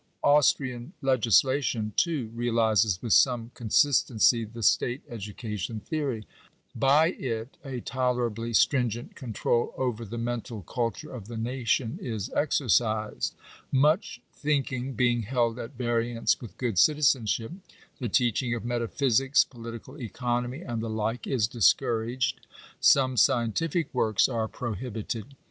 Austrian legislation, too, realizes with some con sistency the state education theory. By it a tolerably stringent control over the mental culture of the nation is exercised. Much thinking being held at variance with good citizenship, the teaching of metaphysics, political economy, and the like, is discouraged. Some scientific works are prohibited.